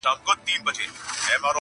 وخت یاري ور سره وکړه لوی مالدار سو.